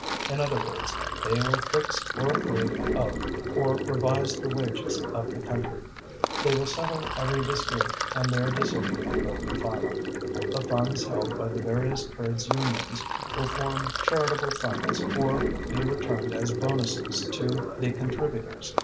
In other words, they will fix or approve of or revise the wages of the country. They will settle every dispute and their decision will be final. The funds held by the various trades unions will form charitable funds or be returned as bonuses to the contributors.